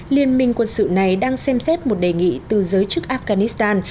liên minh quân sự này đang xem xét một đề nghị từ giới chức afghanistan